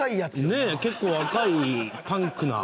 ねえ、結構若い、パンクな。